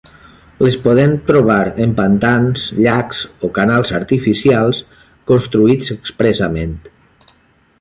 Les podem trobar en pantans, llacs o canals artificials construïts expressament.